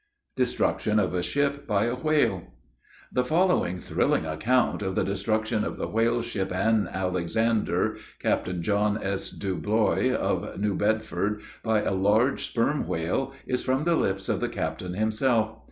DESTRUCTION OF A SHIP BY A WHALE. The following thrilling account of the destruction of the whale ship Ann Alexander, Captain John S. Deblois, of New Bedford, by a large sperm whale, is from the lips of the captain himself.